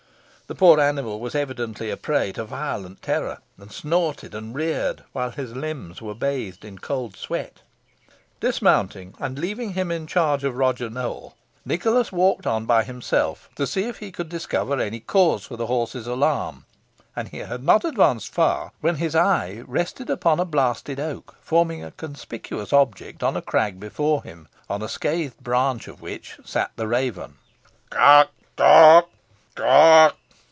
The poor animal was evidently a prey to violent terror, and snorted and reared, while his limbs were bathed in cold sweat. Dismounting, and leaving him in charge of Roger Nowell, Nicholas walked on by himself to see if he could discover any cause for the horse's alarm; and he had not advanced far, when his eye rested upon a blasted oak forming a conspicuous object on a crag before him, on a scathed branch of which sat the raven. Croak! croak!